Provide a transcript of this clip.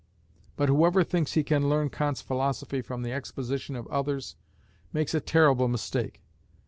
But whoever thinks he can learn Kant's philosophy from the exposition of others makes a terrible mistake.